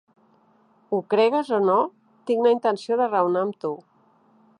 Ho cregues o no, tinc la intenció de raonar amb tu.